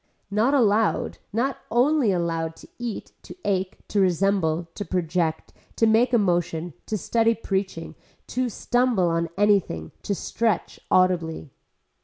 Not allowed, not only allowed to eat, to ache, to resemble, to project, to make a motion, to study preaching, to stumble on anything, to stretch audibly.